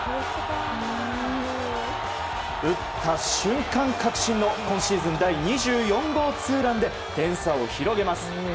打った瞬間確信の今シーズン第２４号ツーランで点差を広げます。